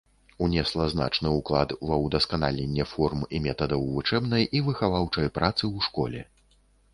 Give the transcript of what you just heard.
Унесла значны ўклад ва ўдасканаленне форм і метадаў вучэбнай і выхаваўчай працы ў школе.